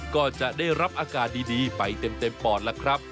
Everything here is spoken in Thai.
ก็จะได้รับอากาศดีไปเต็มปอดล่ะครับ